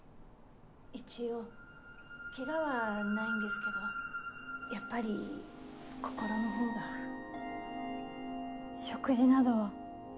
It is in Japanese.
・一応ケガはないんですけどやっぱり心のほうが・食事などは。